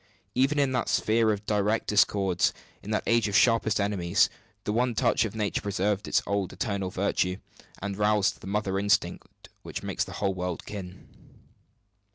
Even in that sphere of direst discords, in that age of sharpest enmities, the one touch of Nature preserved its old eternal virtue, and roused the mother instinct which makes the whole world kin.